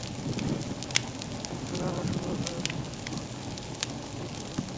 কিন্তু খেলা শুরুর ঘণ্টা দুয়েক আগে সেটি বাতিল ঘোষণা করা হয়।